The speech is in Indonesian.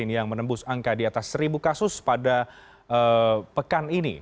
yang menembus angka di atas seribu kasus pada pekan ini